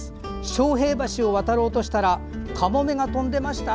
昌平橋を渡ろうとしたらかもめが飛んでました。